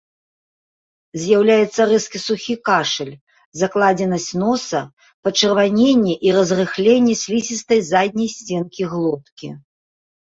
З'яўляецца рэзкі сухі кашаль, закладзенасць носа, пачырваненне і разрыхленне слізістай задняй сценкі глоткі.